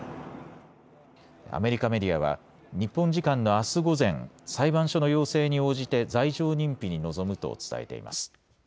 アメリカメディアは日本時間のあす午前、裁判所の要請に応じて罪状認否に臨むと伝えています。